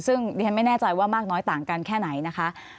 ซึ่งดิฉันไม่แน่ใจว่ามากน้อยต่างกันแค่ไหนนะคะ